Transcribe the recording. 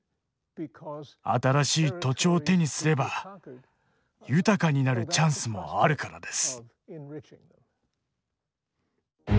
新しい土地を手にすれば豊かになるチャンスもあるからです。